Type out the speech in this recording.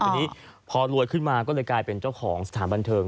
ทีนี้พอรวยขึ้นมาก็เลยกลายเป็นเจ้าของสถานบันเทิง